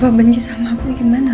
kalau benci sama aku gimana